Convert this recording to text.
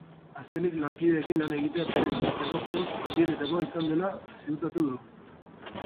Azkenik, lankideekin lan egitea bere bizitzako poz handienetakoa izan dela ziurtatu du.